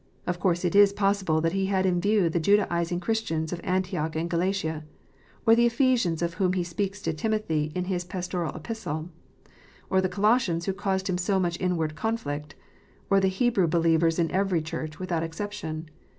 Of course it is possible that he had in view the Judaizing Christians of Antioch and Galatia, or the Ephesians of whom he speaks to Timothy in his pastoral Epistle, or the Colossians who caused him so much inward conflict, or the Hebrew believers in every Church, without exception.